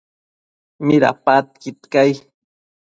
Midapadquid cai?